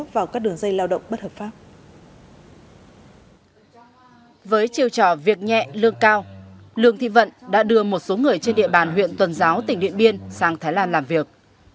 với chiều trò việc nhẹ lương cao lương thị vận đã đưa một số người trên địa bàn huyện tuần giáo tỉnh điện biên sang thái lan làm việc